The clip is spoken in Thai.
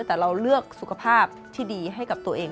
แต่เราเลือกสุขภาพที่ดีให้กับตัวเอง